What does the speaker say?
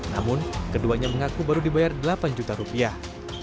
namun keduanya mengaku baru dibayar delapan juta rupiah